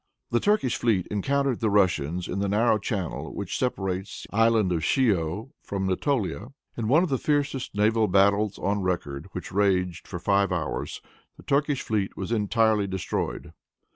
The Turkish fleet encountered the Russians in the narrow channel which separates the island of Scio from Natolia. In one of the fiercest naval battles on record, and which raged for five hours, the Turkish fleet was entirely destroyed.